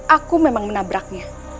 aku memang menabraknya